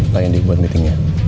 pak yandi buat meetingnya